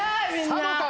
さあどうか？